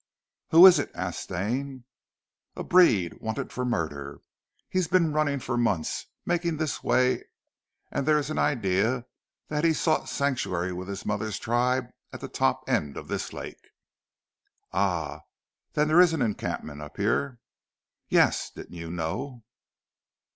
"Who is it?" asked Stane. "A breed, wanted for murder. He's been running for months, making this way and there's an idea that he's sought sanctuary with his mother's tribe at the top end of this lake." "Ah, then there is an encampment up here?" "Yes. Didn't you know?"